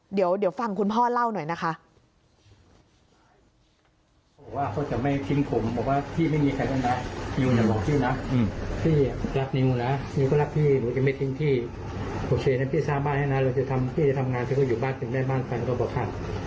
เดี๋ยวฟังคุณพ่อเล่าหน่อยนะคะ